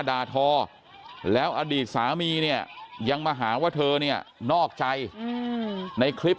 ด่าทอแล้วอดีตสามีเนี่ยยังมาหาว่าเธอเนี่ยนอกใจในคลิป